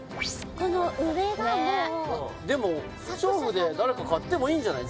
この上がもうでも化粧筆誰か買ってもいいんじゃない？